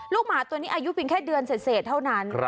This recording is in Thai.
ลูกหมาตัวนี้อายุเป็นแค่เดือนเสดเท่านั้น